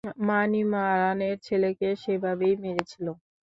মানিমারানের ছেলেকে সেভাবেই মেরেছিল।